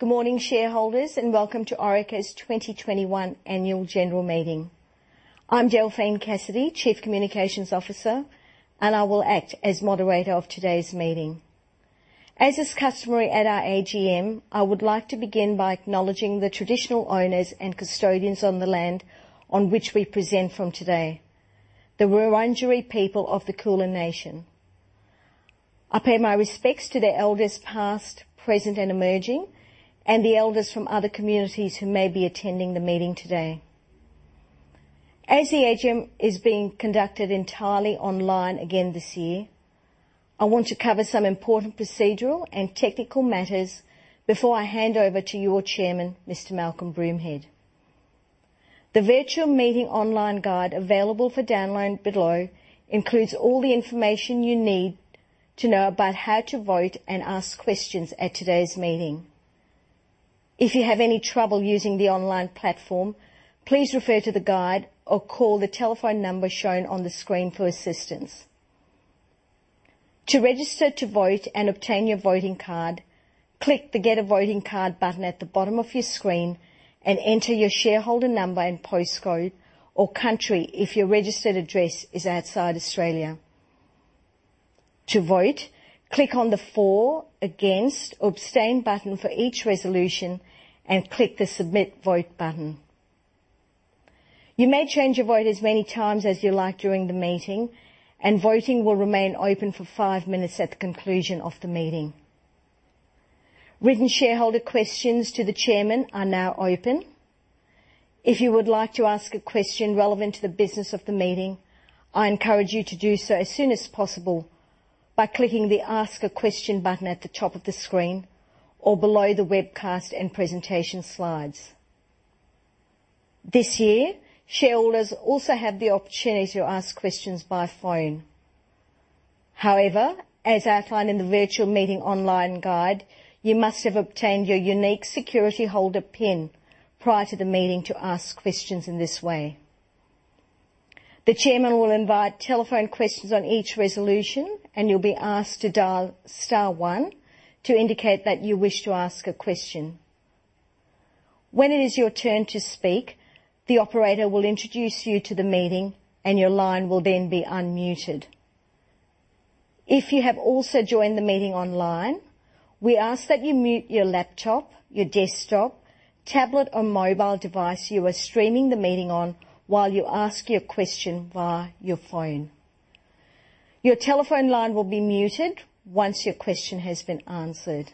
Good morning, shareholders. Welcome to Orica's 2021 annual general meeting. I'm Delphine Cassidy, Chief Communications Officer, and I will act as moderator of today's meeting. As is customary at our AGM, I would like to begin by acknowledging the traditional owners and custodians on the land on which we present from today, the Wurundjeri people of the Kulin nation. I pay my respects to their elders past, present, and emerging, and the elders from other communities who may be attending the meeting today. As the AGM is being conducted entirely online again this year, I want to cover some important procedural and technical matters before I hand over to your Chairman, Mr Malcolm Broomhead. The virtual meeting online guide, available for download below, includes all the information you need to know about how to vote and ask questions at today's meeting. If you have any trouble using the online platform, please refer to the guide or call the telephone number shown on the screen for assistance. To register to vote and obtain your voting card, click the Get A Voting Card button at the bottom of your screen and enter your shareholder number and postcode, or country if your registered address is outside Australia. To vote, click on the For, Against, or Abstain button for each resolution and click the Submit Vote button. You may change your vote as many times as you like during the meeting. Voting will remain open for five minutes at the conclusion of the meeting. Written shareholder questions to the Chairman are now open. If you would like to ask a question relevant to the business of the meeting, I encourage you to do so as soon as possible by clicking the Ask a Question button at the top of the screen, or below the webcast and presentation slides. This year, shareholders also have the opportunity to ask questions by phone. However, as outlined in the virtual meeting online guide, you must have obtained your unique security holder pin prior to the meeting to ask questions in this way. The Chairman will invite telephone questions on each resolution. You'll be asked to dial star one to indicate that you wish to ask a question. When it is your turn to speak, the operator will introduce you to the meeting. Your line will then be unmuted. If you have also joined the meeting online, we ask that you mute your laptop, your desktop, tablet or mobile device you are streaming the meeting on while you ask your question via your phone. Your telephone line will be muted once your question has been answered.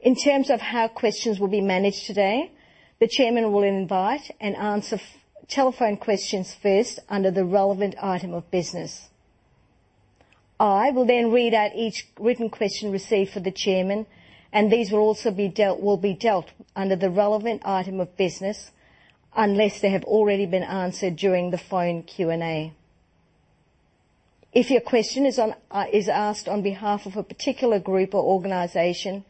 In terms of how questions will be managed today, the Chairman will invite and answer telephone questions first under the relevant item of business. I will then read out each written question received for the Chairman. These will be dealt under the relevant item of business unless they have already been answered during the phone Q&A. If your question is asked on behalf of a particular group or organization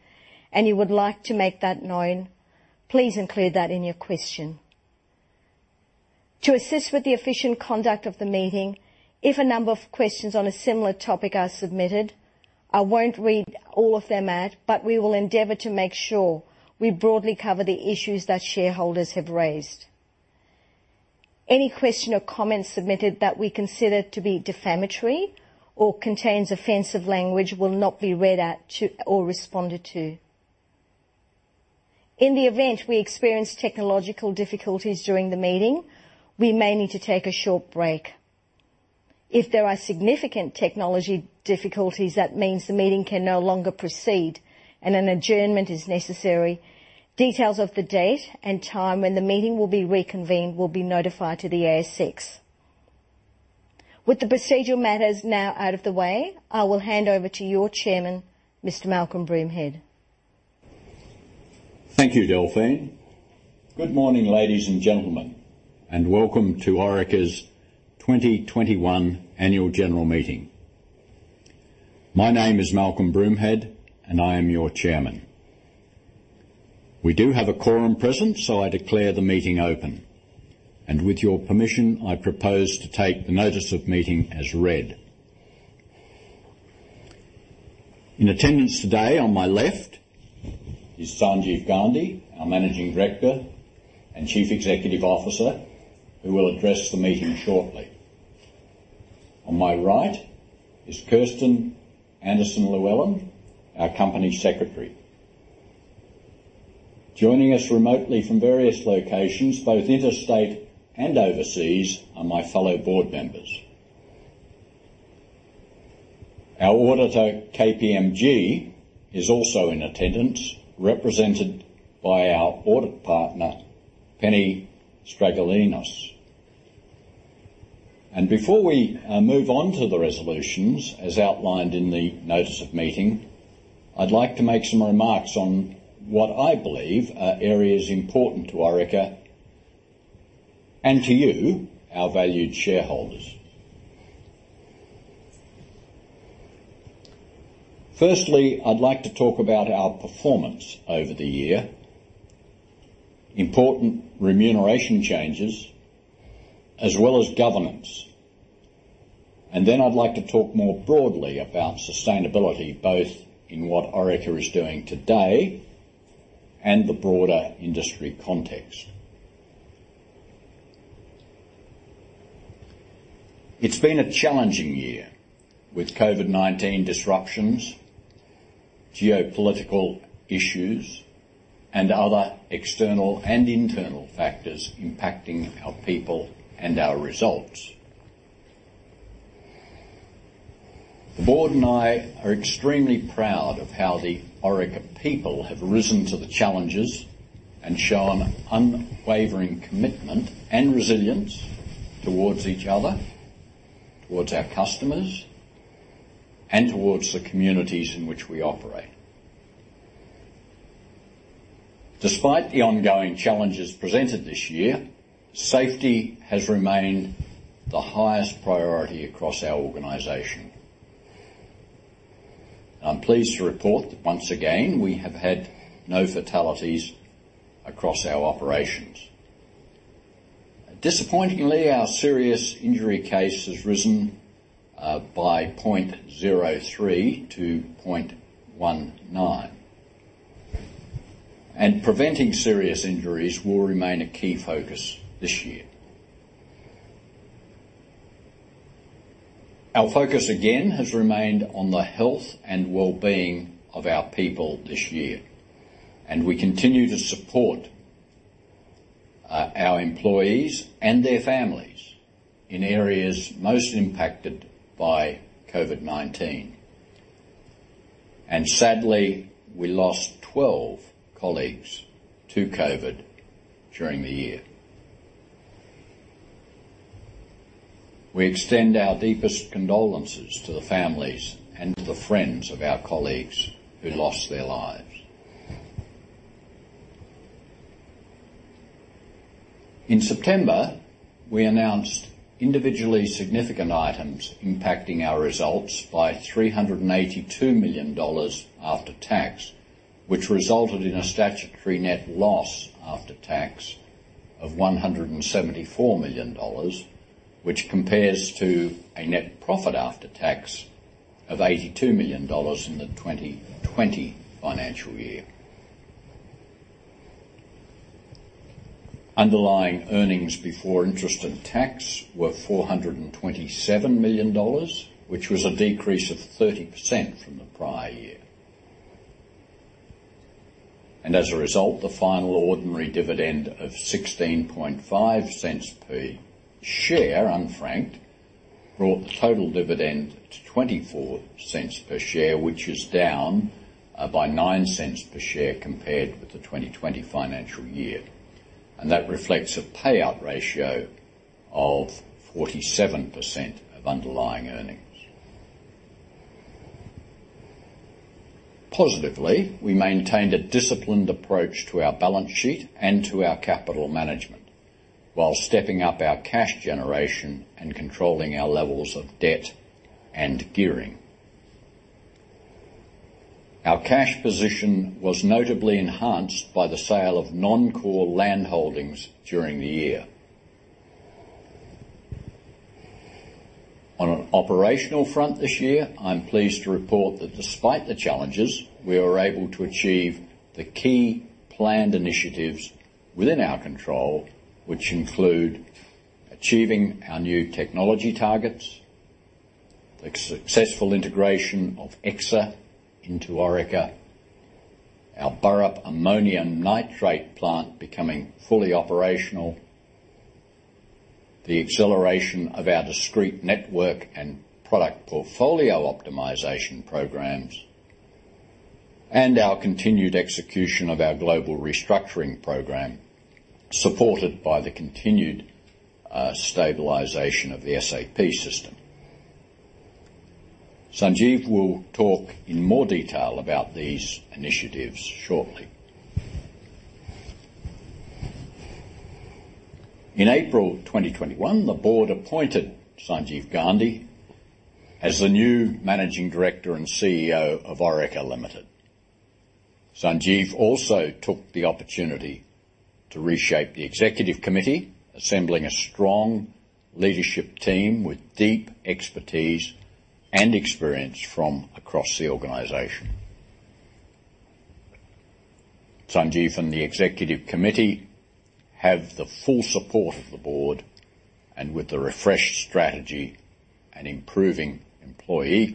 and you would like to make that known, please include that in your question. To assist with the efficient conduct of the meeting, if a number of questions on a similar topic are submitted, I won't read all of them out, but we will endeavor to make sure we broadly cover the issues that shareholders have raised. Any question or comments submitted that we consider to be defamatory or contains offensive language will not be read out or responded to. In the event we experience technological difficulties during the meeting, we may need to take a short break. If there are significant technology difficulties, that means the meeting can no longer proceed and an adjournment is necessary. Details of the date and time when the meeting will be reconvened will be notified to the ASX. With the procedural matters now out of the way, I will hand over to your Chairman, Mr. Malcolm Broomhead. Thank you, Delphine. Good morning, ladies and gentlemen, and welcome to Orica's 2021 annual general meeting. My name is Malcolm Broomhead, and I am your Chairman. We do have a quorum present, so I declare the meeting open. With your permission, I propose to take the notice of meeting as read. In attendance today on my left is Sanjeev Gandhi, our Managing Director and Chief Executive Officer, who will address the meeting shortly. On my right is Kirsten Anderson-Llewellyn, our Company Secretary. Joining us remotely from various locations, both interstate and overseas, are my fellow board members. Our auditor, KPMG, is also in attendance, represented by our Audit Partner, Penny Stragoulinos. Before we move on to the resolutions as outlined in the notice of meeting, I'd like to make some remarks on what I believe are areas important to Orica and to you, our valued shareholders. Firstly, I'd like to talk about our performance over the year. Important remuneration changes, as well as governance. Then I'd like to talk more broadly about sustainability, both in what Orica is doing today and the broader industry context. It's been a challenging year with COVID-19 disruptions, geopolitical issues, and other external and internal factors impacting our people and our results. The board and I are extremely proud of how the Orica people have risen to the challenges and shown unwavering commitment and resilience towards each other, towards our customers, and towards the communities in which we operate. Despite the ongoing challenges presented this year, safety has remained the highest priority across our organization. I'm pleased to report that once again, we have had no fatalities across our operations. Disappointingly, our serious injury case has risen by 0.03 to 0.19. Preventing serious injuries will remain a key focus this year. Our focus again has remained on the health and wellbeing of our people this year, and we continue to support our employees and their families in areas most impacted by COVID-19. Sadly, we lost 12 colleagues to COVID during the year. We extend our deepest condolences to the families and to the friends of our colleagues who lost their lives. In September, we announced individually significant items impacting our results by 382 million dollars after tax, which resulted in a statutory net loss after tax of 174 million dollars, which compares to a net profit after tax of 82 million dollars in the 2020 financial year. Underlying earnings before interest and tax were 427 million dollars, which was a decrease of 30% from the prior year. As a result, the final ordinary dividend of 0.165 per share, unfranked, brought the total dividend to 0.24 per share, which is down by 0.09 per share compared with the 2020 financial year. That reflects a payout ratio of 47% of underlying earnings. Positively, we maintained a disciplined approach to our balance sheet and to our capital management while stepping up our cash generation and controlling our levels of debt and gearing. Our cash position was notably enhanced by the sale of non-core land holdings during the year. On an operational front this year, I'm pleased to report that despite the challenges, we were able to achieve the key planned initiatives within our control, which include achieving our new technology targets, the successful integration of Exsa into Orica, our Burrup ammonium nitrate plant becoming fully operational, the acceleration of our discrete network and product portfolio optimization programs, and our continued execution of our global restructuring program, supported by the continued stabilization of the SAP system. Sanjeev will talk in more detail about these initiatives shortly. In April 2021, the board appointed Sanjeev Gandhi as the new Managing Director and CEO of Orica Limited. Sanjeev also took the opportunity to reshape the Executive Committee, assembling a strong leadership team with deep expertise and experience from across the organization. Sanjeev and the Executive Committee have the full support of the board, and with the refreshed strategy and improving employee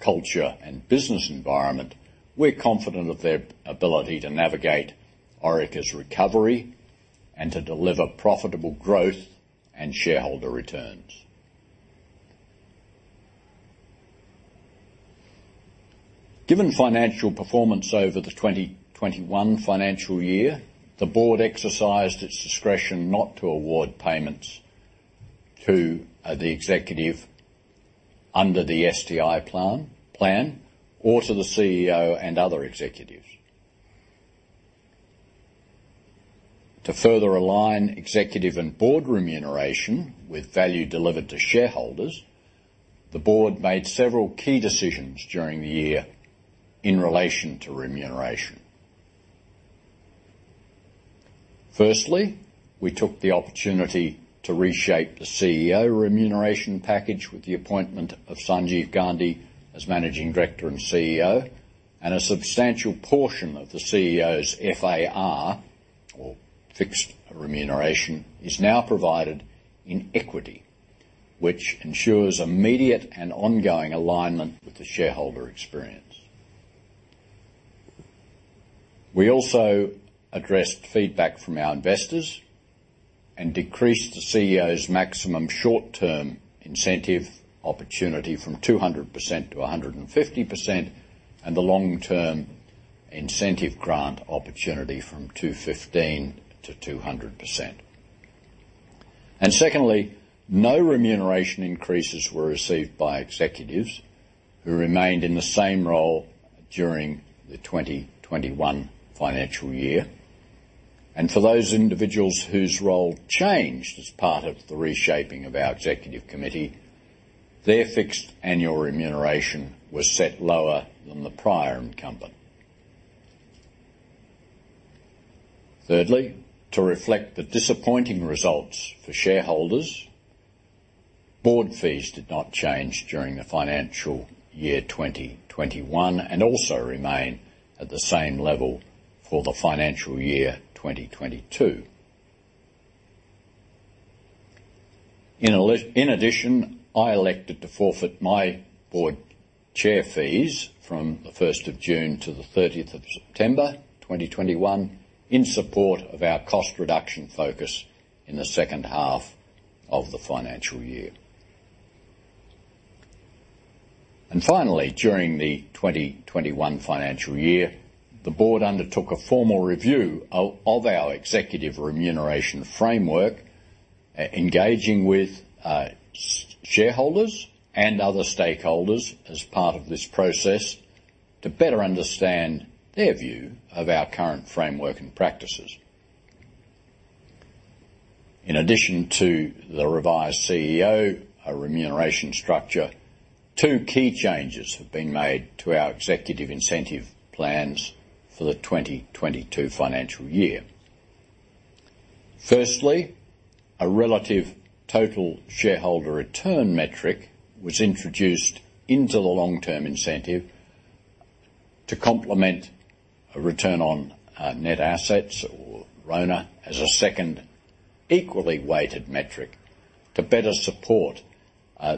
culture and business environment, we're confident of their ability to navigate Orica's recovery and to deliver profitable growth and shareholder returns. Given financial performance over the 2021 financial year, the board exercised its discretion not to award payments to the executive under the STI plan, or to the CEO and other executives. To further align executive and board remuneration with value delivered to shareholders, the board made several key decisions during the year in relation to remuneration. Firstly, we took the opportunity to reshape the CEO remuneration package with the appointment of Sanjeev Gandhi as Managing Director and CEO, and a substantial portion of the CEO's FAR, or fixed remuneration, is now provided in equity, which ensures immediate and ongoing alignment with the shareholder experience. We also addressed feedback from our investors and decreased the CEO's maximum short-term incentive opportunity from 200% to 150%, and the long-term incentive grant opportunity from 215 to 200%. Secondly, no remuneration increases were received by executives who remained in the same role during the 2021 financial year. For those individuals whose role changed as part of the reshaping of our Executive Committee, their fixed annual remuneration was set lower than the prior incumbent. Thirdly, to reflect the disappointing results for shareholders, board fees did not change during the financial year 2021 and also remain at the same level for the financial year 2022. In addition, I elected to forfeit my board chair fees from the 1st of June to the 30th of September 2021 in support of our cost reduction focus in the second half of the financial year. Finally, during the 2021 financial year, the board undertook a formal review of our executive remuneration framework, engaging with shareholders and other stakeholders as part of this process to better understand their view of our current framework and practices. In addition to the revised CEO remuneration structure, two key changes have been made to our executive incentive plans for the 2022 financial year. Firstly, a relative total shareholder return metric was introduced into the long-term incentive to complement a return on net assets or RONA as a second equally weighted metric to better support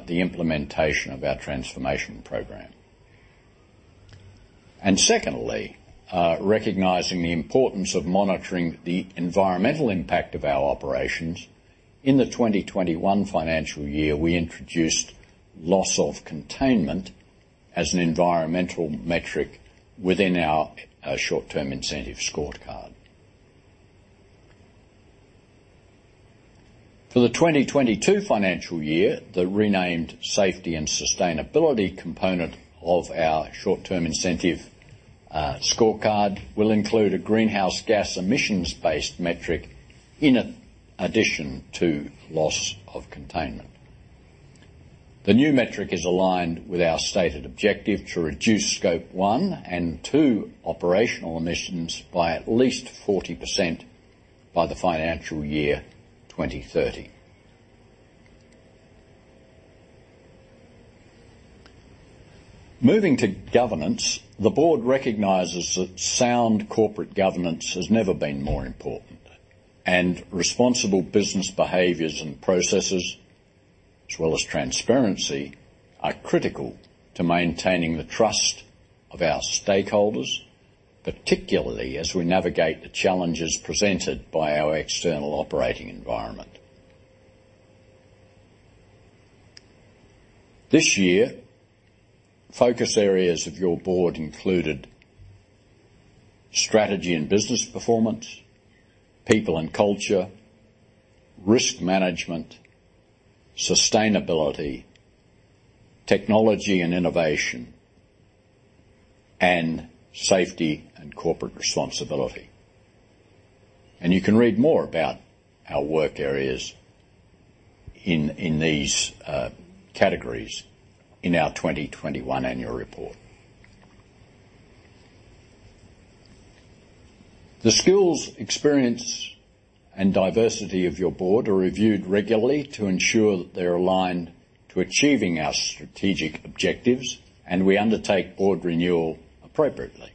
the implementation of our transformation program. Secondly, recognizing the importance of monitoring the environmental impact of our operations, in the 2021 financial year, we introduced loss of containment as an environmental metric within our short-term incentive scorecard. For the 2022 financial year, the renamed safety and sustainability component of our short-term incentive scorecard will include a greenhouse gas emissions-based metric in addition to loss of containment. The new metric is aligned with our stated objective to reduce Scope 1 and 2 operational emissions by at least 40% by the financial year 2030. Moving to governance, the board recognizes that sound corporate governance has never been more important and responsible business behaviors and processes, as well as transparency, are critical to maintaining the trust of our stakeholders, particularly as we navigate the challenges presented by our external operating environment. This year, focus areas of your board included strategy and business performance, people and culture, risk management, sustainability, technology and innovation, and safety and corporate responsibility. You can read more about our work areas in these categories in our 2021 annual report. The skills, experience, and diversity of your board are reviewed regularly to ensure that they're aligned to achieving our strategic objectives. We undertake board renewal appropriately.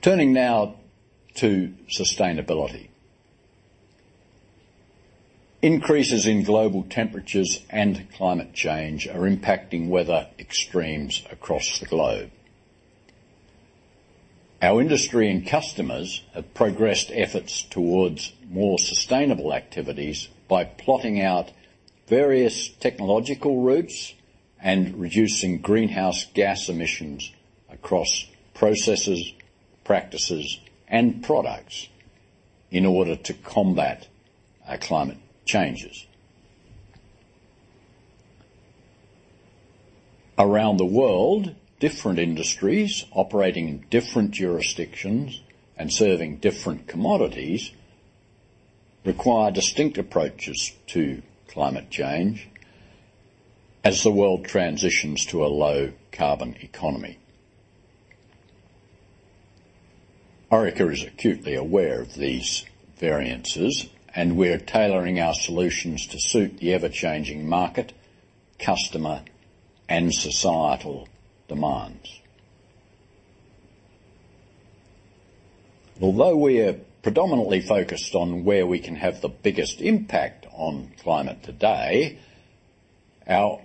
Turning now to sustainability. Increases in global temperatures and climate change are impacting weather extremes across the globe. Our industry and customers have progressed efforts towards more sustainable activities by plotting out various technological routes and reducing greenhouse gas emissions across processes, practices, and products in order to combat our climate changes. Around the world, different industries operating in different jurisdictions and serving different commodities require distinct approaches to climate change as the world transitions to a low-carbon economy. Orica is acutely aware of these variances. We're tailoring our solutions to suit the ever-changing market, customer, and societal demands. Although we're predominantly focused on where we can have the biggest impact on climate today, our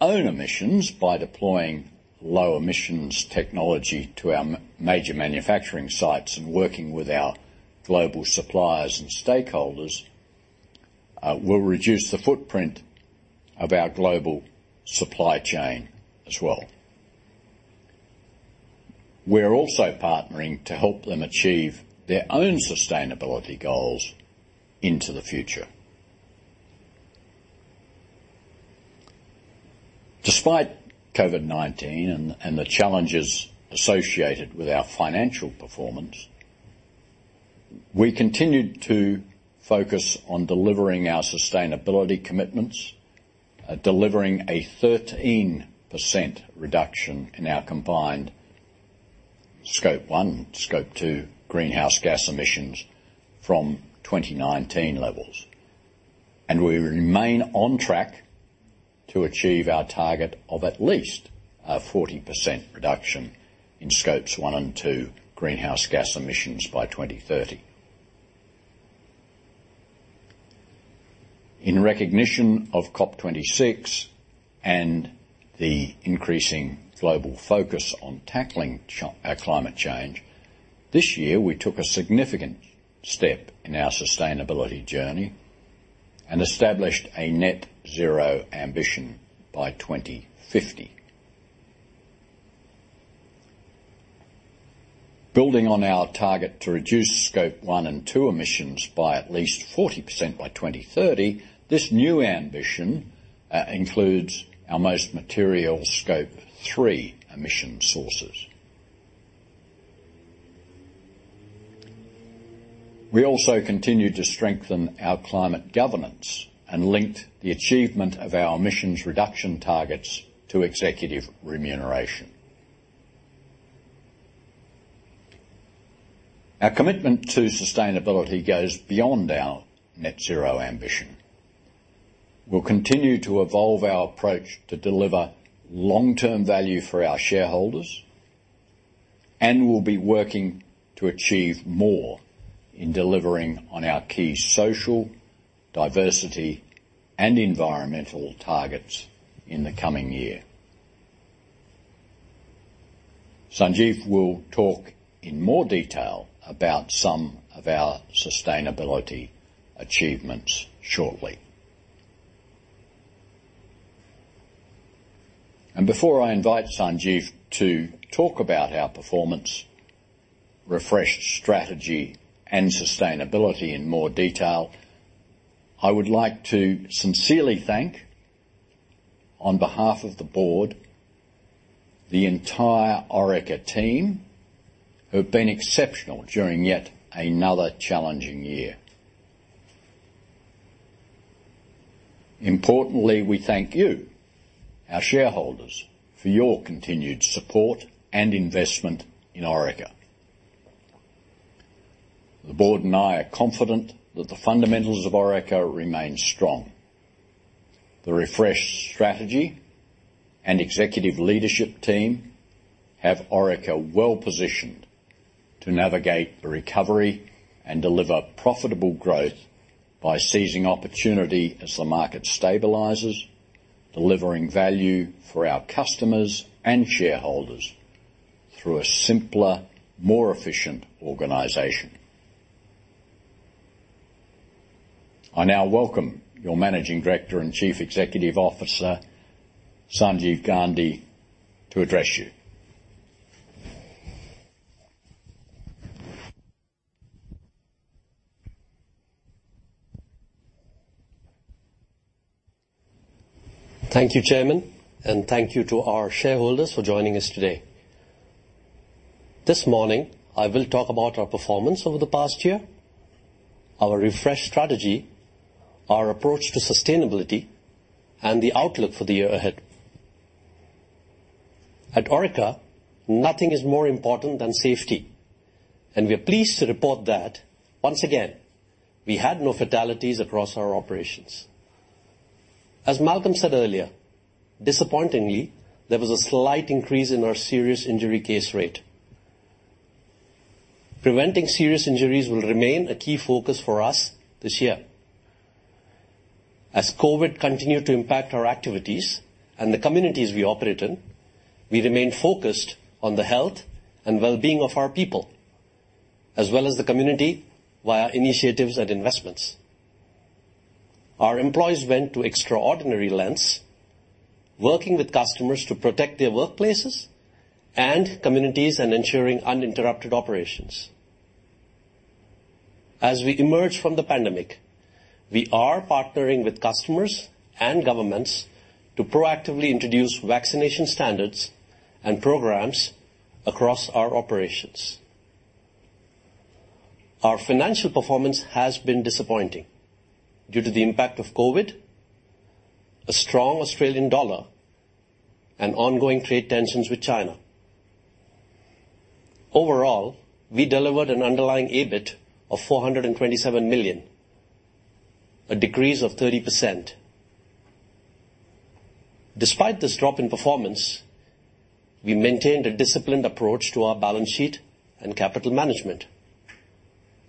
own emissions, by deploying low emissions technology to our major manufacturing sites and working with our global suppliers and stakeholders, will reduce the footprint of our global supply chain as well. We're also partnering to help them achieve their own sustainability goals into the future. Despite COVID-19 and the challenges associated with our financial performance, we continued to focus on delivering our sustainability commitments, delivering a 13% reduction in our combined Scope 1 and Scope 2 greenhouse gas emissions from 2019 levels. We remain on track to achieve our target of at least a 40% reduction in Scopes 1 and 2 greenhouse gas emissions by 2030. In recognition of COP26 and the increasing global focus on tackling climate change, this year we took a significant step in our sustainability journey and established a net zero ambition by 2050. Building on our target to reduce Scope 1 and 2 emissions by at least 40% by 2030, this new ambition includes our most material Scope 3 emission sources. We also continued to strengthen our climate governance and linked the achievement of our emissions reduction targets to executive remuneration. Our commitment to sustainability goes beyond our net zero ambition. We'll continue to evolve our approach to deliver long-term value for our shareholders. We'll be working to achieve more in delivering on our key social, diversity, and environmental targets in the coming year. Sanjeev will talk in more detail about some of our sustainability achievements shortly. Before I invite Sanjeev to talk about our performance, refreshed strategy, and sustainability in more detail, I would like to sincerely thank on behalf of the board, the entire Orica team who have been exceptional during yet another challenging year. Importantly, we thank you, our shareholders, for your continued support and investment in Orica. The board and I are confident that the fundamentals of Orica remain strong. The refreshed strategy and executive leadership team have Orica well-positioned to navigate the recovery and deliver profitable growth by seizing opportunity as the market stabilizes, delivering value for our customers and shareholders through a simpler, more efficient organization. I now welcome your Managing Director and Chief Executive Officer, Sanjeev Gandhi, to address you. Thank you, Chairman, and thank you to our shareholders for joining us today. This morning, I will talk about our performance over the past year, our refreshed strategy, our approach to sustainability, and the outlook for the year ahead. At Orica, nothing is more important than safety, and we are pleased to report that once again, we had no fatalities across our operations. As Malcolm said earlier, disappointingly, there was a slight increase in our serious injury case rate. Preventing serious injuries will remain a key focus for us this year. As COVID continued to impact our activities and the communities we operate in, we remain focused on the health and well-being of our people, as well as the community via initiatives and investments. Our employees went to extraordinary lengths working with customers to protect their workplaces and communities and ensuring uninterrupted operations. As we emerge from the pandemic, we are partnering with customers and governments to proactively introduce vaccination standards and programs across our operations. Our financial performance has been disappointing due to the impact of COVID, a strong Australian dollar, and ongoing trade tensions with China. Overall, we delivered an underlying EBIT of 427 million, a decrease of 30%. Despite this drop in performance, we maintained a disciplined approach to our balance sheet and capital management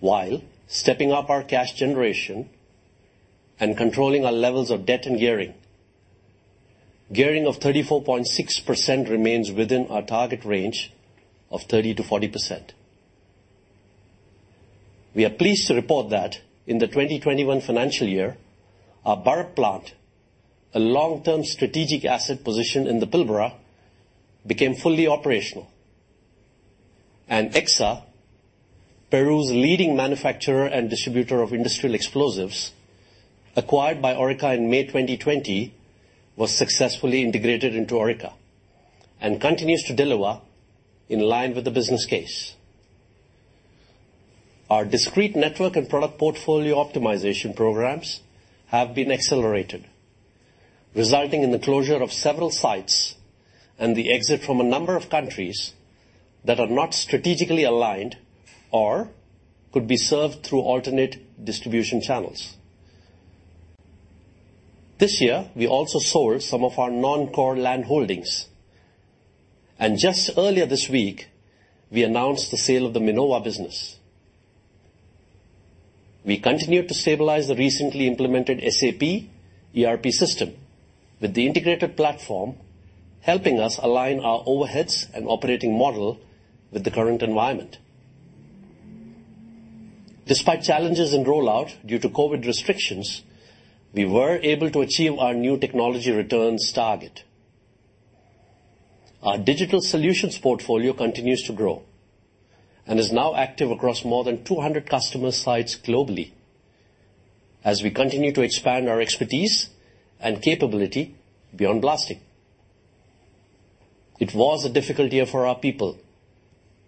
while stepping up our cash generation and controlling our levels of debt and gearing. Gearing of 34.6% remains within our target range of 30%-40%. We are pleased to report that in the 2021 financial year, our Burrup plant, a long-term strategic asset position in the Pilbara, became fully operational, and Exsa, Peru's leading manufacturer and distributor of industrial explosives, acquired by Orica in May 2020, was successfully integrated into Orica and continues to deliver in line with the business case. Our discrete network and product portfolio optimization programs have been accelerated, resulting in the closure of several sites and the exit from a number of countries that are not strategically aligned or could be served through alternate distribution channels. This year, we also sold some of our non-core land holdings, and just earlier this week, we announced the sale of the Minova business. We continue to stabilize the recently implemented SAP ERP system with the integrated platform helping us align our overheads and operating model with the current environment. Despite challenges in rollout due to COVID restrictions, we were able to achieve our new technology returns target. Our digital solutions portfolio continues to grow and is now active across more than 200 customer sites globally as we continue to expand our expertise and capability beyond blasting. It was a difficult year for our people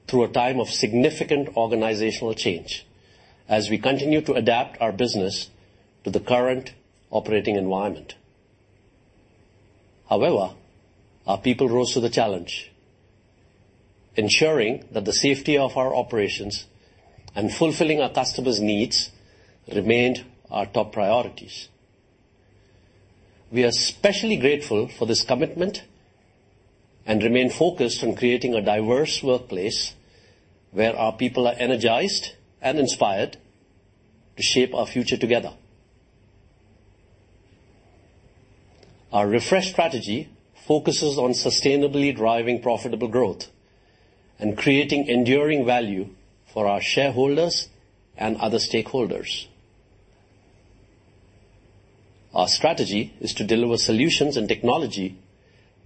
through a time of significant organizational change as we continue to adapt our business to the current operating environment. Our people rose to the challenge, ensuring that the safety of our operations and fulfilling our customers' needs remained our top priorities. We are especially grateful for this commitment and remain focused on creating a diverse workplace where our people are energized and inspired to shape our future together. Our refresh strategy focuses on sustainably driving profitable growth and creating enduring value for our shareholders and other stakeholders. Our strategy is to deliver solutions and technology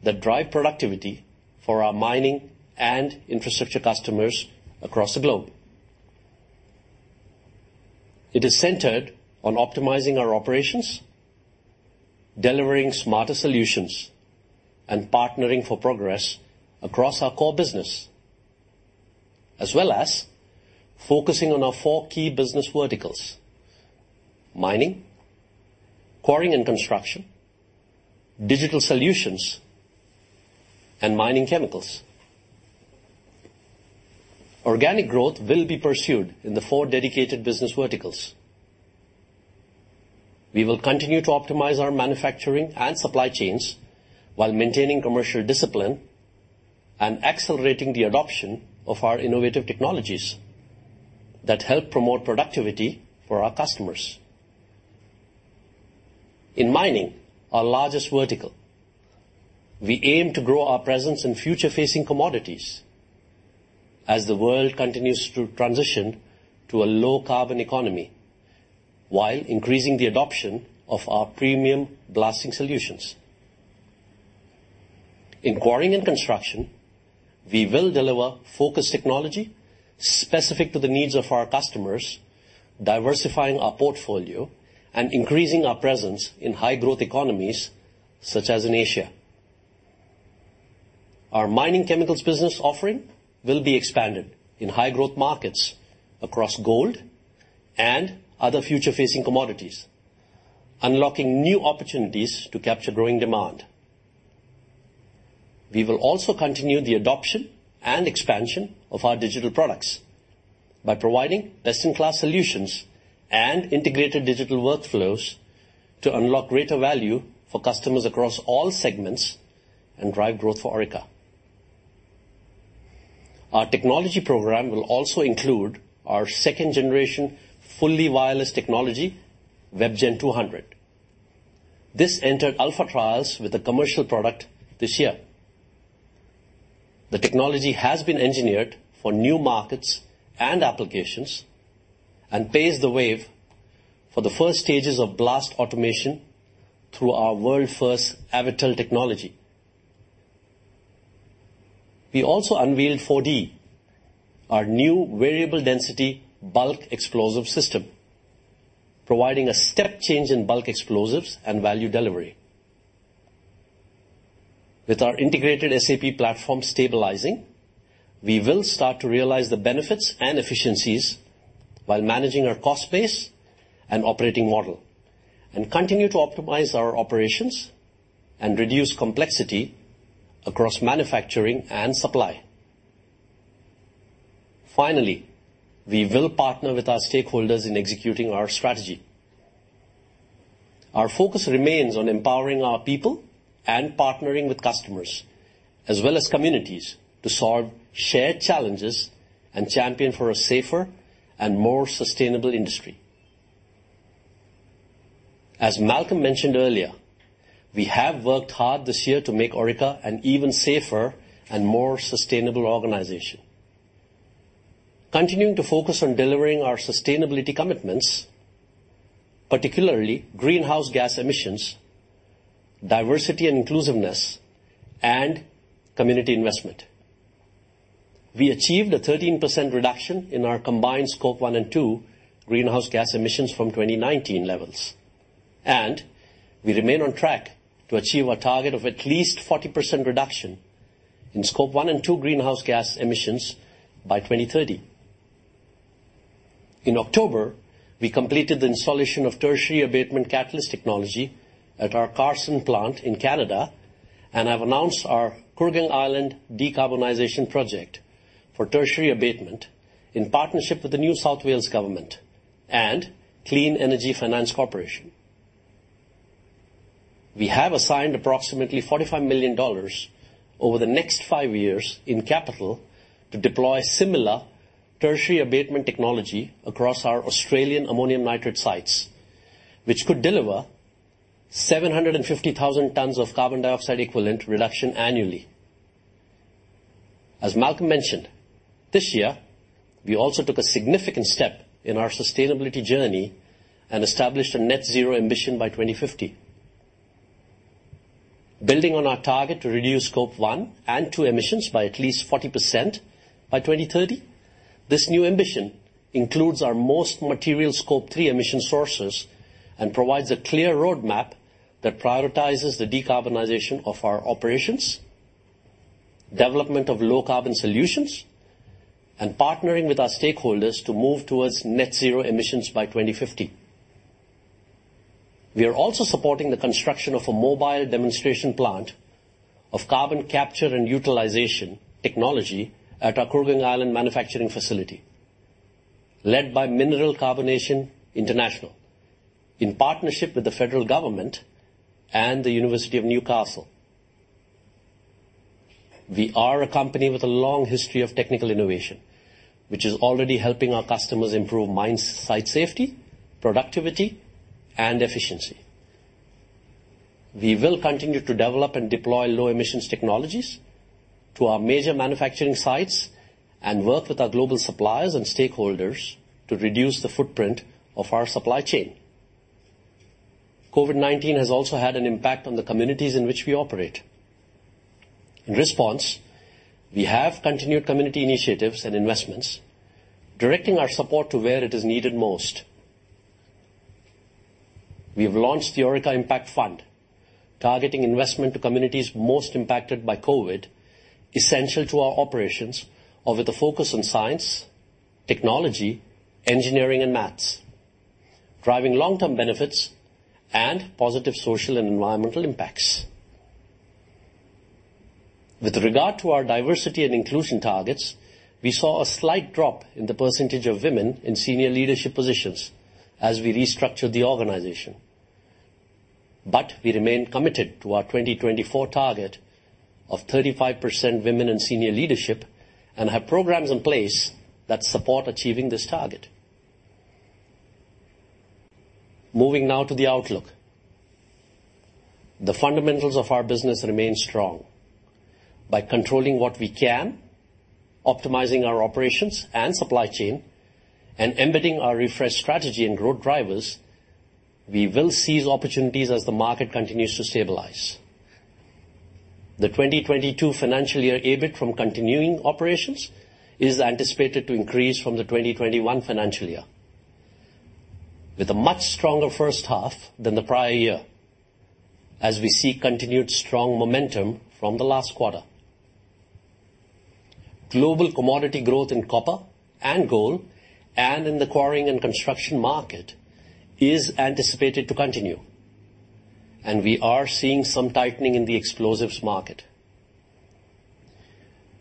that drive productivity for our mining and infrastructure customers across the globe. It is centered on optimizing our operations, delivering smarter solutions, and partnering for progress across our core business, as well as focusing on our 4 key business verticals: mining, quarrying and construction, digital solutions, and mining chemicals. Organic growth will be pursued in the 4 dedicated business verticals. We will continue to optimize our manufacturing and supply chains while maintaining commercial discipline and accelerating the adoption of our innovative technologies that help promote productivity for our customers. In mining, our largest vertical, we aim to grow our presence in future-facing commodities as the world continues to transition to a low-carbon economy while increasing the adoption of our premium blasting solutions. In quarrying and construction, we will deliver focused technology specific to the needs of our customers, diversifying our portfolio, and increasing our presence in high-growth economies such as in Asia. Our mining chemicals business offering will be expanded in high-growth markets across gold and other future-facing commodities, unlocking new opportunities to capture growing demand. We will also continue the adoption and expansion of our digital products by providing best-in-class solutions and integrated digital workflows to unlock greater value for customers across all segments and drive growth for Orica. Our technology program will also include our second-generation fully wireless technology, WebGen 200. This entered alpha trials with a commercial product this year. The technology has been engineered for new markets and applications and paves the way for the first stages of blast automation through our world's first Avatel technology. We also unveiled 4D, our new variable density bulk explosive system, providing a step change in bulk explosives and value delivery. With our integrated SAP platform stabilizing, we will start to realize the benefits and efficiencies while managing our cost base and operating model, and continue to optimize our operations and reduce complexity across manufacturing and supply. Finally, we will partner with our stakeholders in executing our strategy. Our focus remains on empowering our people and partnering with customers, as well as communities, to solve shared challenges and champion for a safer and more sustainable industry. As Malcolm mentioned earlier, we have worked hard this year to make Orica an even safer and more sustainable organization. Continuing to focus on delivering our sustainability commitments, particularly greenhouse gas emissions, diversity and inclusiveness, and community investment. We achieved a 13% reduction in our combined Scope 1 and 2 greenhouse gas emissions from 2019 levels, and we remain on track to achieve our target of at least 40% reduction in Scope 1 and 2 greenhouse gas emissions by 2030. In October, we completed the installation of tertiary abatement catalyst technology at our Carseland plant in Canada, and have announced our Kooragang Island decarbonization project for tertiary abatement in partnership with the New South Wales Government and Clean Energy Finance Corporation. We have assigned approximately 45 million dollars over the next five years in capital to deploy similar tertiary abatement technology across our Australian ammonium nitrate sites, which could deliver 750,000 tons of carbon dioxide equivalent reduction annually. As Malcolm mentioned, this year, we also took a significant step in our sustainability journey and established a net zero ambition by 2050. Building on our target to reduce Scope 1 and 2 emissions by at least 40% by 2030, this new ambition includes our most material Scope 3 emission sources and provides a clear roadmap that prioritizes the decarbonization of our operations, development of low carbon solutions, and partnering with our stakeholders to move towards net zero emissions by 2050. We are also supporting the construction of a mobile demonstration plant of carbon capture and utilization technology at our Kooragang Island manufacturing facility, led by Mineral Carbonation International, in partnership with the federal government and the University of Newcastle. We are a company with a long history of technical innovation, which is already helping our customers improve mine site safety, productivity, and efficiency. We will continue to develop and deploy low emissions technologies to our major manufacturing sites and work with our global suppliers and stakeholders to reduce the footprint of our supply chain. COVID-19 has also had an impact on the communities in which we operate. In response, we have continued community initiatives and investments, directing our support to where it is needed most. We have launched the Orica Impact Fund, targeting investment to communities most impacted by COVID, essential to our operations or with a focus on science, technology, engineering, and math, driving long-term benefits and positive social and environmental impacts. With regard to our diversity and inclusion targets, we saw a slight drop in the percentage of women in senior leadership positions as we restructured the organization. We remain committed to our 2024 target of 35% women in senior leadership and have programs in place that support achieving this target. Moving now to the outlook. The fundamentals of our business remain strong. By controlling what we can, optimizing our operations and supply chain, and embedding our refreshed strategy and growth drivers, we will seize opportunities as the market continues to stabilize. The 2022 financial year EBIT from continuing operations is anticipated to increase from the 2021 financial year, with a much stronger first half than the prior year as we see continued strong momentum from the last quarter. Global commodity growth in copper and gold and in the quarrying and construction market is anticipated to continue. We are seeing some tightening in the explosives market.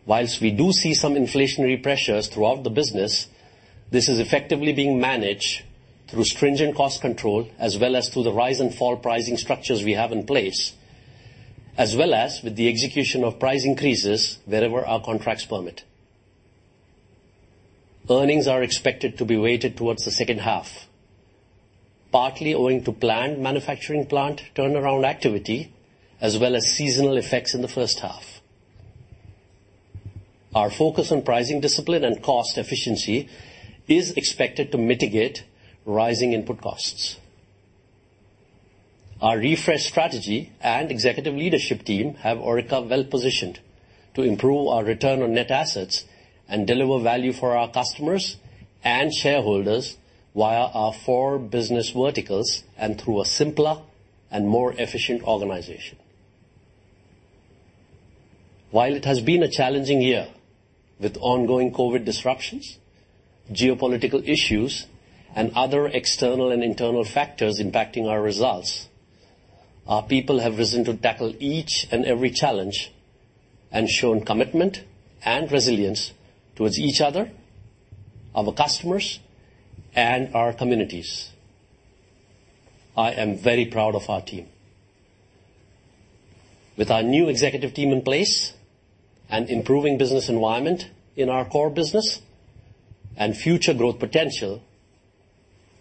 Whilst we do see some inflationary pressures throughout the business, this is effectively being managed through stringent cost control as well as through the rise and fall pricing structures we have in place, as well as with the execution of price increases wherever our contracts permit. Earnings are expected to be weighted towards the second half, partly owing to planned manufacturing plant turnaround activity, as well as seasonal effects in the first half. Our focus on pricing discipline and cost efficiency is expected to mitigate rising input costs. Our refreshed strategy and executive leadership team have Orica well positioned to improve our return on net assets and deliver value for our customers and shareholders via our four business verticals and through a simpler and more efficient organization. While it has been a challenging year with ongoing COVID disruptions, geopolitical issues, and other external and internal factors impacting our results, our people have risen to tackle each and every challenge and shown commitment and resilience towards each other, our customers, and our communities. I am very proud of our team. With our new executive team in place and improving business environment in our core business and future growth potential,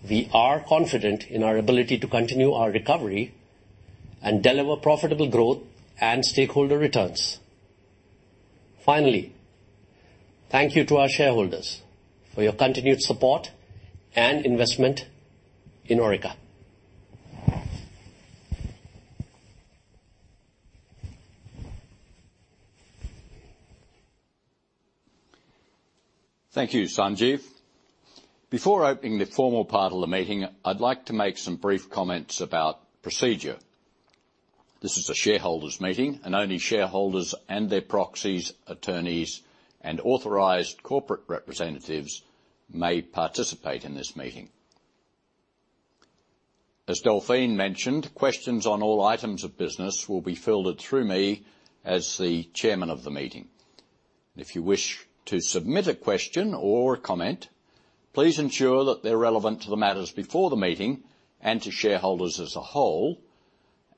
we are confident in our ability to continue our recovery and deliver profitable growth and stakeholder returns. Finally, thank you to our shareholders for your continued support and investment in Orica. Thank you, Sanjeev. Before opening the formal part of the meeting, I'd like to make some brief comments about procedure. This is a shareholders' meeting, and only shareholders and their proxies, attorneys, and authorized corporate representatives may participate in this meeting. As Delphine mentioned, questions on all items of business will be filtered through me as the chairman of the meeting. If you wish to submit a question or a comment, please ensure that they're relevant to the matters before the meeting and to shareholders as a whole.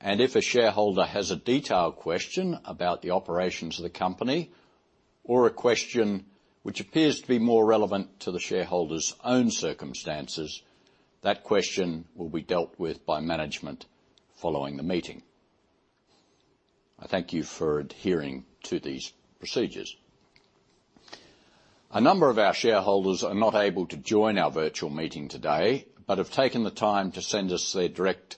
If a shareholder has a detailed question about the operations of the company or a question which appears to be more relevant to the shareholder's own circumstances, that question will be dealt with by management following the meeting. I thank you for adhering to these procedures. A number of our shareholders are not able to join our virtual meeting today but have taken the time to send us their direct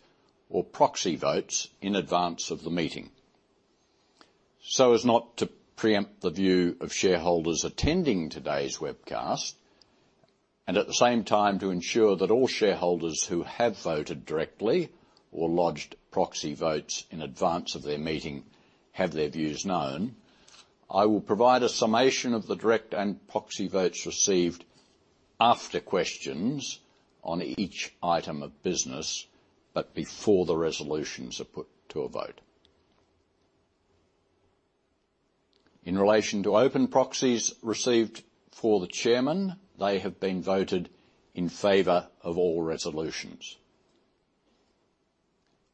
or proxy votes in advance of the meeting. As not to preempt the view of shareholders attending today's webcast, and at the same time to ensure that all shareholders who have voted directly or lodged proxy votes in advance of their meeting have their views known, I will provide a summation of the direct and proxy votes received after questions on each item of business, but before the resolutions are put to a vote. In relation to open proxies received for the chairman, they have been voted in favor of all resolutions.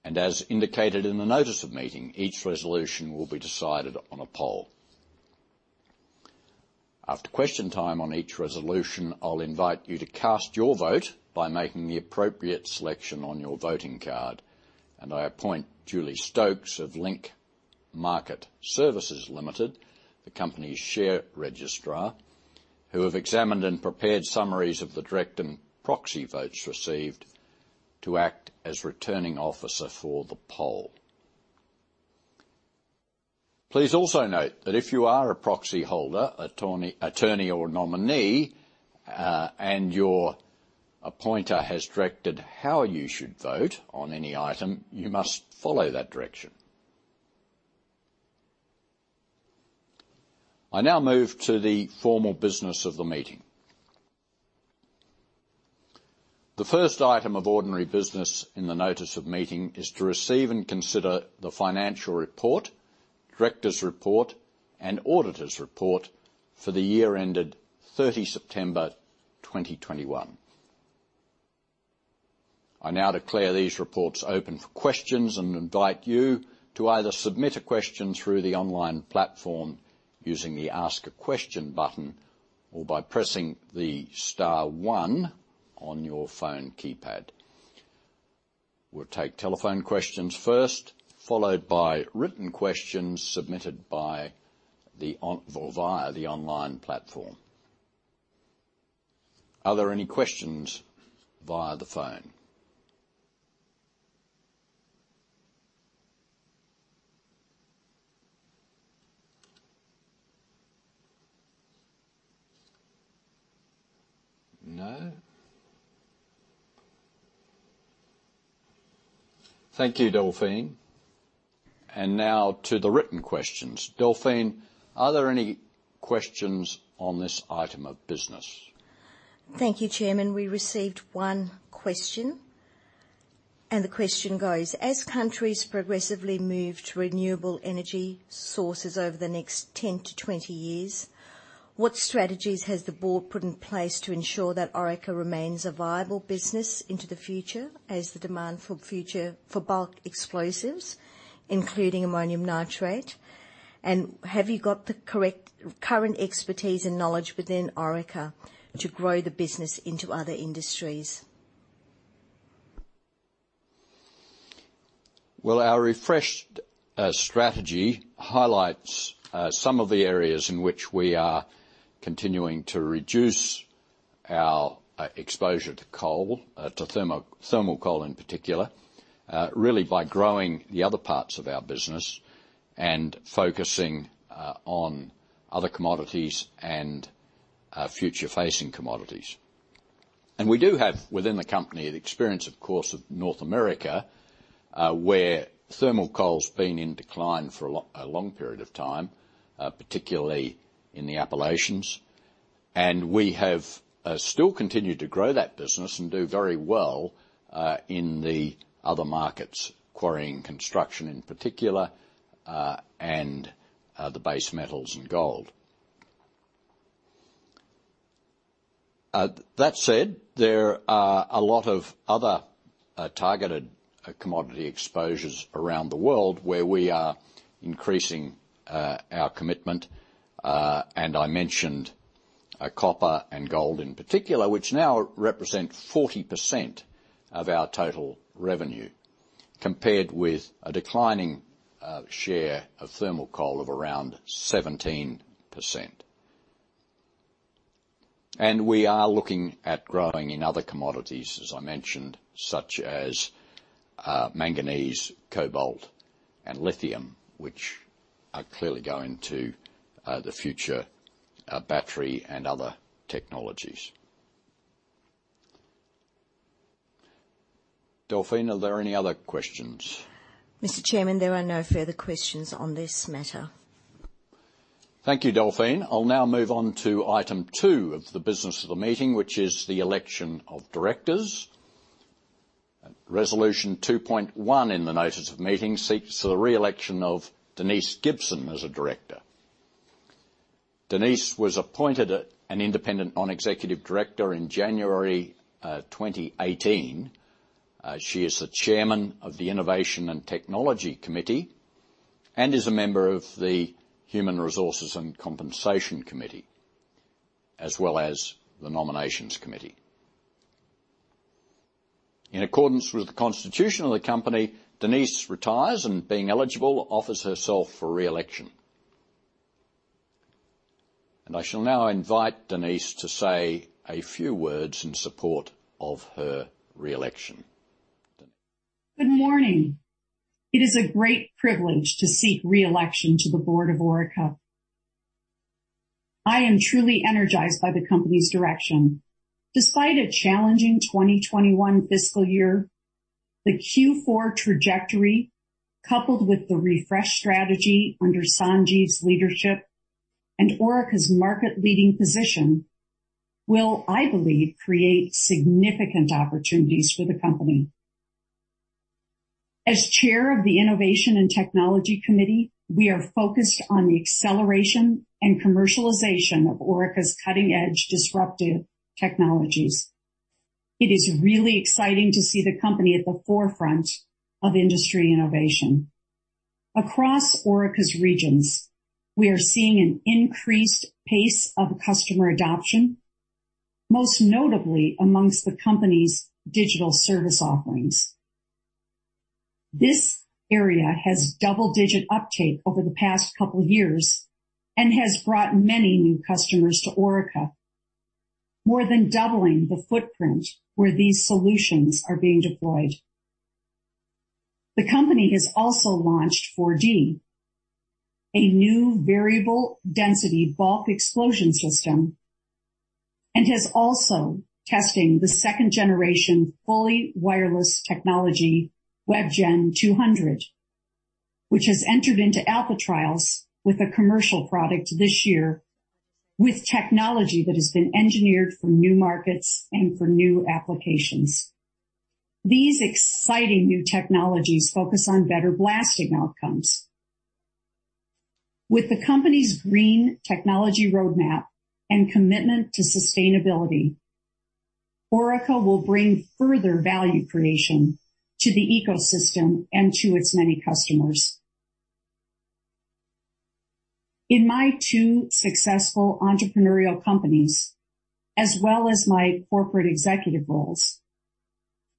As indicated in the notice of meeting, each resolution will be decided on a poll. After question time on each resolution, I'll invite you to cast your vote by making the appropriate selection on your voting card. I appoint Julie Stokes of Link Market Services Limited, the company's share registrar, who have examined and prepared summaries of the direct and proxy votes received to act as returning officer for the poll. Please also note that if you are a proxy holder, attorney, or nominee, and your appointer has directed how you should vote on any item, you must follow that direction. I now move to the formal business of the meeting. The first item of ordinary business in the notice of meeting is to receive and consider the financial report, directors' report, and auditors' report for the year ended 30 September 2021. I now declare these reports open for questions and invite you to either submit a question through the online platform using the Ask a Question button or by pressing the star one on your phone keypad. We'll take telephone questions first, followed by written questions submitted via the online platform. Are there any questions via the phone? No. Thank you, Delphine. Now to the written questions. Delphine, are there any questions on this item of business? Thank you, Chairman. We received one question, the question goes: As countries progressively move to renewable energy sources over the next 10 to 20 years, what strategies has the board put in place to ensure that Orica remains a viable business into the future as the demand for bulk explosives, including ammonium nitrate? Have you got the correct current expertise and knowledge within Orica to grow the business into other industries? Well, our refreshed strategy highlights some of the areas in which we are continuing to reduce our exposure to coal, to thermal coal in particular, really by growing the other parts of our business and focusing on other commodities and future-facing commodities. We do have, within the company, an experience, of course, of North America, where thermal coal's been in decline for a long period of time, particularly in the Appalachians. We have still continued to grow that business and do very well in the other markets, quarry and construction in particular, and the base metals and gold. That said, there are a lot of other targeted commodity exposures around the world where we are increasing our commitment. I mentioned copper and gold in particular, which now represent 40% of our total revenue, compared with a declining share of thermal coal of around 17%. We are looking at growing in other commodities, as I mentioned, such as manganese, cobalt, and lithium, which are clearly going to the future battery and other technologies. Delphine, are there any other questions? Mr. Chairman, there are no further questions on this matter. Thank you, Delphine. I'll now move on to item two of the business of the meeting, which is the election of directors. Resolution 2.1 in the notice of meeting seeks the re-election of Denise Gibson as a director. Denise was appointed an independent non-executive director in January 2018. She is the Chairman of the Innovation and Technology Committee, and is a member of the Human Resources and Compensation Committee, as well as the Nominations Committee. In accordance with the constitution of the company, Denise retires and being eligible, offers herself for re-election. I shall now invite Denise to say a few words in support of her re-election. Denise. Good morning. It is a great privilege to seek re-election to the board of Orica. I am truly energized by the company's direction. Despite a challenging 2021 fiscal year, the Q4 trajectory, coupled with the refresh strategy under Sanjeev's leadership and Orica's market-leading position, will, I believe, create significant opportunities for the company. As chair of the Innovation and Technology Committee, we are focused on the acceleration and commercialization of Orica's cutting-edge disruptive technologies. It is really exciting to see the company at the forefront of industry innovation. Across Orica's regions, we are seeing an increased pace of customer adoption, most notably amongst the company's digital service offerings. This area has double-digit uptake over the past couple years and has brought many new customers to Orica, more than doubling the footprint where these solutions are being deployed. The company has also launched 4D, a new variable density bulk explosion system, and is also testing the second generation fully wireless technology, WebGen 200, which has entered into alpha trials with a commercial product this year with technology that has been engineered for new markets and for new applications. These exciting new technologies focus on better blasting outcomes. With the company's green technology roadmap and commitment to sustainability, Orica will bring further value creation to the ecosystem and to its many customers. In my two successful entrepreneurial companies, as well as my corporate executive roles,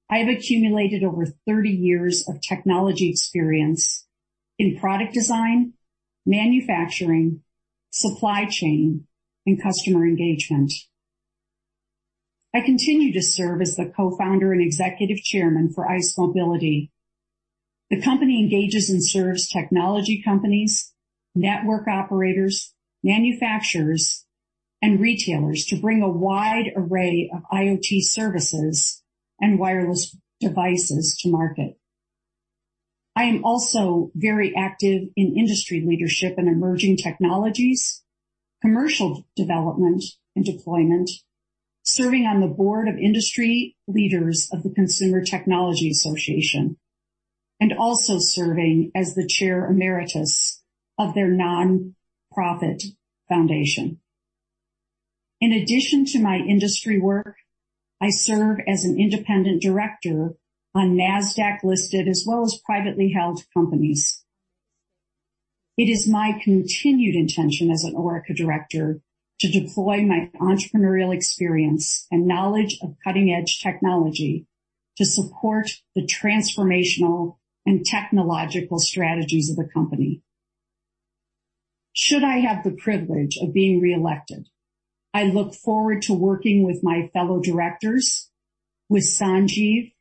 I've accumulated over 30 years of technology experience in product design, manufacturing, supply chain, and customer engagement. I continue to serve as the co-founder and executive chairman for Ice Mobility. The company engages and serves technology companies, network operators, manufacturers, and retailers to bring a wide array of IoT services and wireless devices to market. I am also very active in industry leadership and emerging technologies, commercial development and deployment, serving on the board of industry leaders of the Consumer Technology Association, and also serving as the chair emeritus of their nonprofit foundation. In addition to my industry work, I serve as an independent director on NASDAQ-listed as well as privately held companies. It is my continued intention as an Orica director to deploy my entrepreneurial experience and knowledge of cutting-edge technology to support the transformational and technological strategies of the company. Should I have the privilege of being reelected, I look forward to working with my fellow directors, with Sanjiv,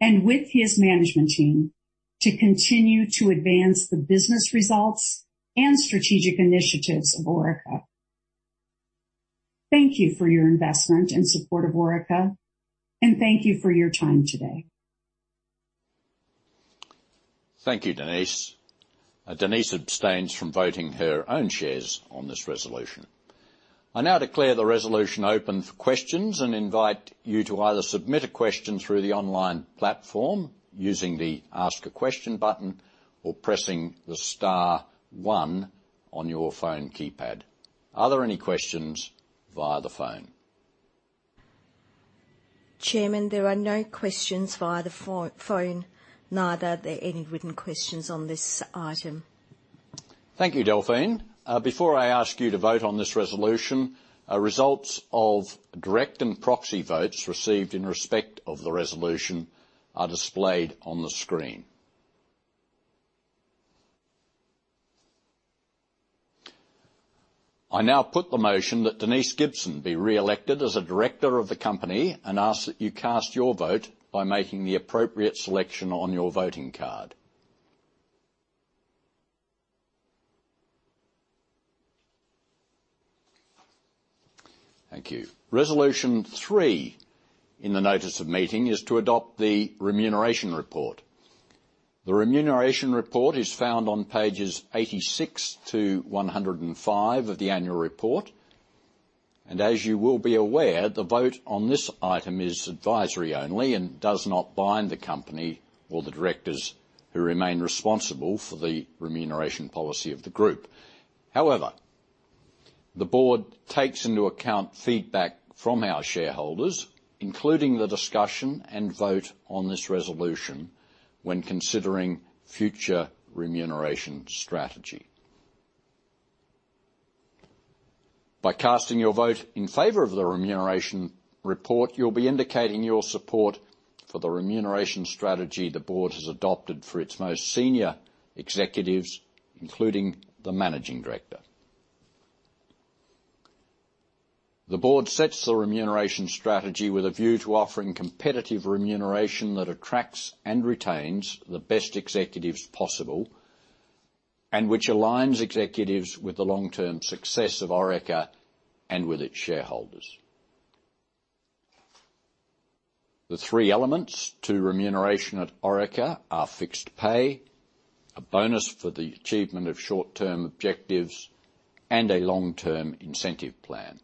and with his management team to continue to advance the business results and strategic initiatives of Orica. Thank you for your investment and support of Orica, thank you for your time today. Thank you, Denise. Denise abstains from voting her own shares on this resolution. I now declare the resolution open for questions and invite you to either submit a question through the online platform using the Ask a Question button or pressing the star one on your phone keypad. Are there any questions via the phone? Chairman, there are no questions via the phone, neither are there any written questions on this item. Thank you, Delphine. Before I ask you to vote on this resolution, results of direct and proxy votes received in respect of the resolution are displayed on the screen. I now put the motion that Denise Gibson be reelected as a director of the company and ask that you cast your vote by making the appropriate selection on your voting card. Thank you. Resolution three in the notice of meeting is to adopt the remuneration report. The remuneration report is found on pages 86 to 105 of the annual report. As you will be aware, the vote on this item is advisory only and does not bind the company or the directors who remain responsible for the remuneration policy of the group. However, the board takes into account feedback from our shareholders, including the discussion and vote on this resolution when considering future remuneration strategy. By casting your vote in favor of the remuneration report, you'll be indicating your support for the remuneration strategy the board has adopted for its most senior executives, including the managing director. The board sets the remuneration strategy with a view to offering competitive remuneration that attracts and retains the best executives possible, and which aligns executives with the long-term success of Orica and with its shareholders. The three elements to remuneration at Orica are fixed pay, a bonus for the achievement of short-term objectives, and a long-term incentive plan.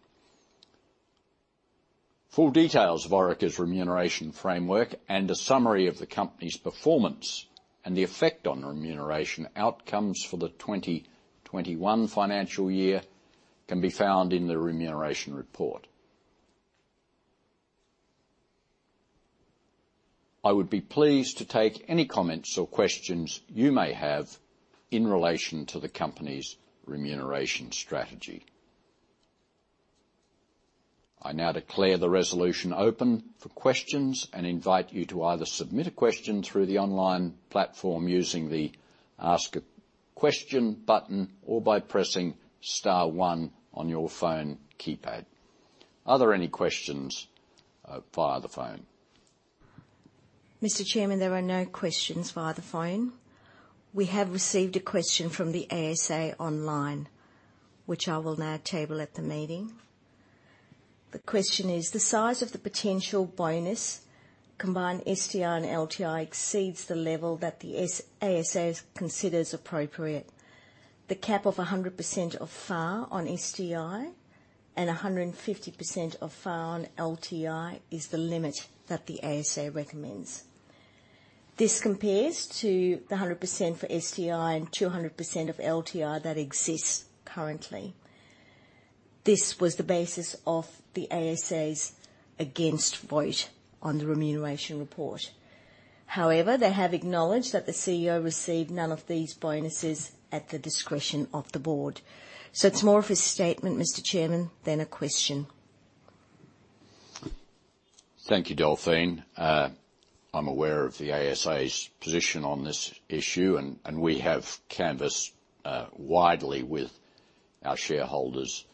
Full details of Orica's remuneration framework and a summary of the company's performance and the effect on remuneration outcomes for the 2021 financial year can be found in the remuneration report. I would be pleased to take any comments or questions you may have in relation to the company's remuneration strategy. I now declare the resolution open for questions and invite you to either submit a question through the online platform using the Ask a Question button or by pressing star one on your phone keypad. Are there any questions via the phone? Mr. Chairman, there are no questions via the phone. We have received a question from the ASA online, which I will now table at the meeting. The question is, the size of the potential bonus combined STI and LTI exceeds the level that the ASA considers appropriate. The cap of 100% of FAR on STI and 150% of FAR on LTI is the limit that the ASA recommends. This compares to the 100% for STI and 200% of LTI that exists currently. This was the basis of the ASA's against vote on the remuneration report. However, they have acknowledged that the CEO received none of these bonuses at the discretion of the board. It's more of a statement, Mr. Chairman, than a question. Thank you, Delphine. I'm aware of the ASA's position on this issue, and we have canvassed widely with our shareholders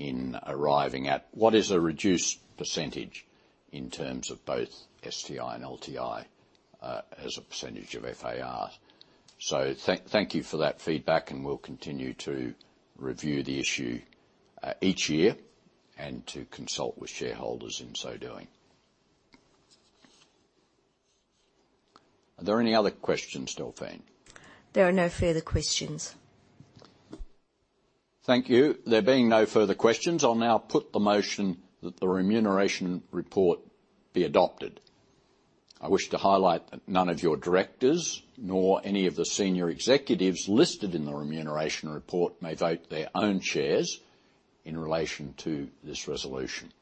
in arriving at what is a reduced percentage in terms of both STI and LTI, as a percentage of FAR. Thank you for that feedback, and we'll continue to review the issue each year and to consult with shareholders in so doing. Are there any other questions, Delphine? There are no further questions. Thank you. There being no further questions, I'll now put the motion that the remuneration report be adopted. I wish to highlight that none of your directors, nor any of the senior executives listed in the remuneration report may vote their own shares in relation to this resolution.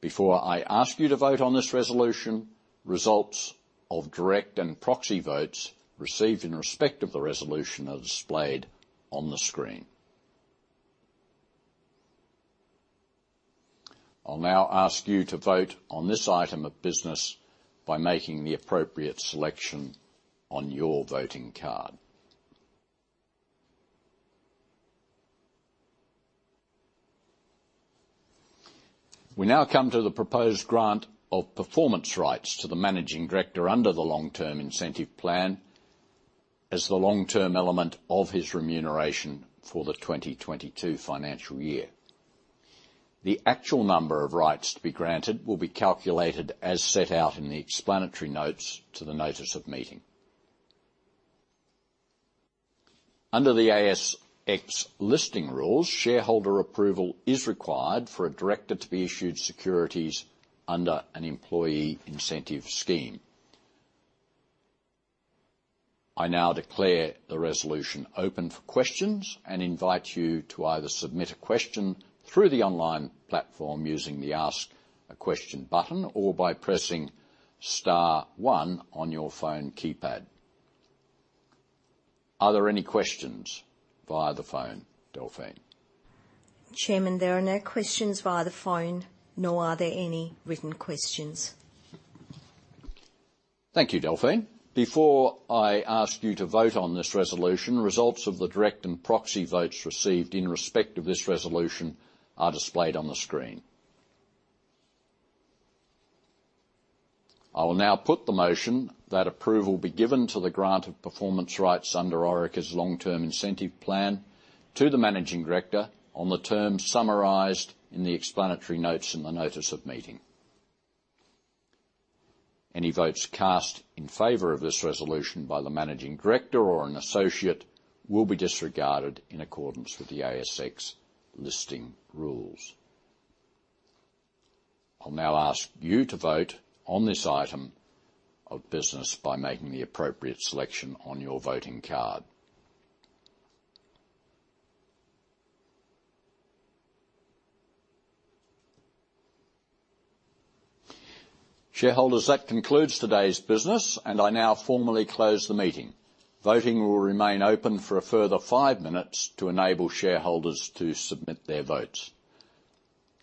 Before I ask you to vote on this resolution, results of direct and proxy votes received in respect of the resolution are displayed on the screen. I'll now ask you to vote on this item of business by making the appropriate selection on your voting card. We now come to the proposed grant of performance rights to the Managing Director under the long-term incentive plan as the long-term element of his remuneration for the 2022 financial year. The actual number of rights to be granted will be calculated as set out in the explanatory notes to the notice of meeting. Under the ASX Listing Rules, shareholder approval is required for a director to be issued securities under an employee incentive scheme. I now declare the resolution open for questions and invite you to either submit a question through the online platform using the Ask a Question button, or by pressing star one on your phone keypad. Are there any questions via the phone, Delphine? Chairman, there are no questions via the phone, nor are there any written questions. Thank you, Delphine. Before I ask you to vote on this resolution, results of the direct and proxy votes received in respect of this resolution are displayed on the screen. I will now put the motion that approval be given to the grant of performance rights under Orica's long-term incentive plan to the Managing Director on the terms summarized in the explanatory notes in the notice of meeting. Any votes cast in favor of this resolution by the Managing Director or an associate will be disregarded in accordance with the ASX Listing Rules. I'll now ask you to vote on this item of business by making the appropriate selection on your voting card. Shareholders, that concludes today's business, and I now formally close the meeting. Voting will remain open for a further five minutes to enable shareholders to submit their votes.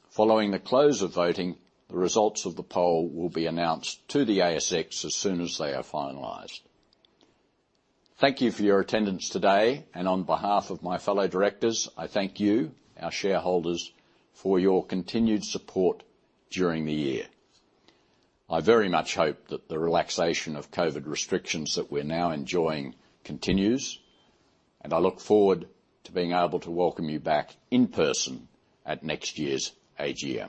Following the close of voting, the results of the poll will be announced to the ASX as soon as they are finalized. Thank you for your attendance today, and on behalf of my fellow directors, I thank you, our shareholders, for your continued support during the year. I very much hope that the relaxation of COVID restrictions that we're now enjoying continues, and I look forward to being able to welcome you back in person at next year's AGM.